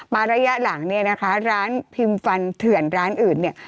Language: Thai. ระยะหลังเนี่ยนะคะร้านพิมพ์ฟันเถื่อนร้านอื่นเนี่ย